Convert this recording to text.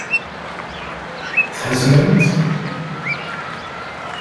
Tḥeznemt?